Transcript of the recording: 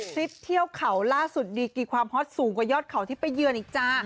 คลิปเที่ยวเขาล่าสุดดีกี่ความฮอตสูงกว่ายอดเขาที่ไปเยือนอีกจ้า